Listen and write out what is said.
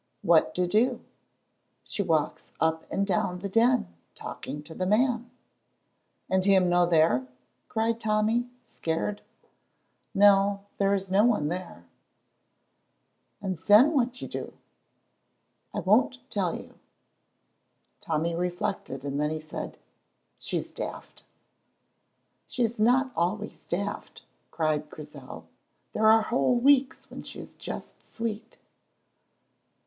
"What to do?" "She walks up and down the Den, talking to the man." "And him no there?" cried Tommy, scared. "No, there is no one there." "And syne what do you do?" "I won't tell you." Tommy reflected, and then he said, "She's daft." "She is not always daft," cried Grizel. "There are whole weeks when she is just sweet."